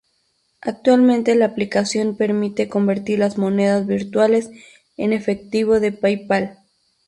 Actualmente la aplicación permite convertir las monedas virtuales en efectivo de PayPal.